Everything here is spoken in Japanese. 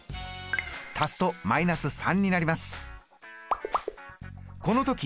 足すと−３になります。